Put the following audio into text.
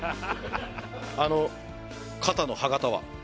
あの肩の歯形は？